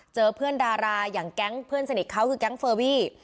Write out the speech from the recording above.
เจอเพื่อนดาราอย่างแก๊งเพื่อนสนิทเขาคือแก๊งเฟอร์วี่